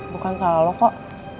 bukan salah lo kok